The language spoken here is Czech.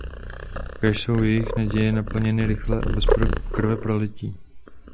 Kéž jsou jejich naděje naplněny rychle a bez krveprolití.